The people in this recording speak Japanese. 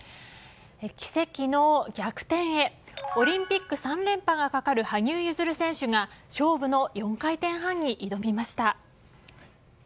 奇跡の逆転へオリンピック３連覇がかかる羽生結弦選手が勝負の４回転半に挑みました。